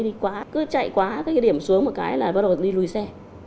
đi quá cứ chạy quá cái điểm xuống một cái là bắt đầu đi lùi xe